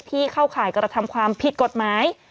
เข้าข่ายกระทำความผิดกฎหมาย